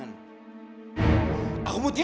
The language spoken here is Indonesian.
kanda biar aku datang